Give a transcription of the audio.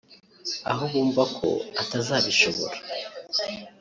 aho bumva ko atazabishobora